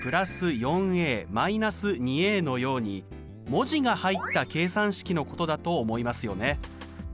文字が入った計算式のことだと思いますよね。